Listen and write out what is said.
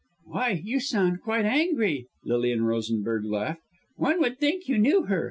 "Why, you sound quite angry," Lilian Rosenberg laughed. "One would think you knew her.